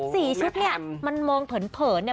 สี่ชุดเนี่ยมันมองเผินเนี่ย